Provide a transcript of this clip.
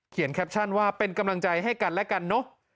แคปชั่นว่าเป็นกำลังใจให้กันและกันเนอะ